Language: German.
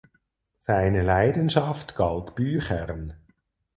Seine Leidenschaft galt Büchern.